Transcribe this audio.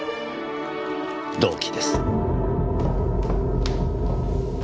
動機です。